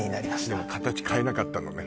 でも形変えなかったのね